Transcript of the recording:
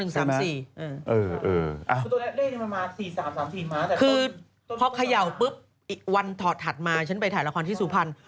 คือพอเขย่าปุ๊บอีกวันถอดถัดมาฉันไปถ่ายละครที่สุพรรณ